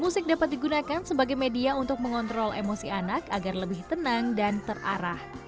musik dapat digunakan sebagai media untuk mengontrol emosi anak agar lebih tenang dan terarah